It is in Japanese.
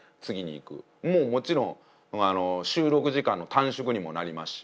もうもちろん収録時間の短縮にもなりますし。